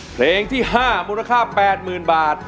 เพลงที่๕มูลค่า๘๐๐๐บาท